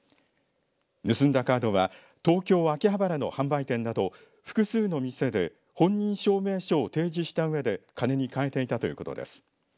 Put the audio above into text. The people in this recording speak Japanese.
盗んだカードは東京秋葉原の販売店など複数の店で本人証明書を提示したうえで金に換えていたということです。